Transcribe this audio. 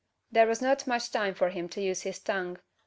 There was not much time for him to use his tongue.